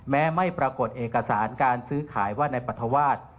ไม่ปรากฏเอกสารการซื้อขายว่าในปรัฐวาส